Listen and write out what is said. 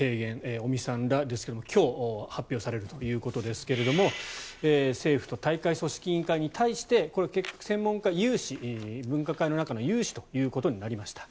尾身さんらですが今日発表されるということですが政府と大会組織委員会に対してこれは結局専門家有志分科会の中の有志ということになりました。